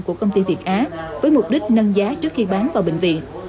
của công ty việt á với mục đích nâng giá trước khi bán vào bệnh viện